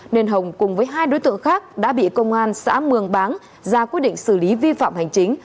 nên hồng cùng với hai đối tượng khác đã bị công an xã mường báng ra quyết định xử lý vi phạm hành chính